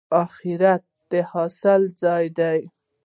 اخرت د حاصل ځای دی